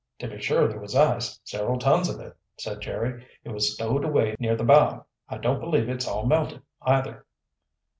"To be sure there was ice, several tons of it," said Jerry. "It was stowed away near the bow. I don't believe it's all melted, either."